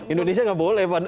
indonesia gak boleh mbak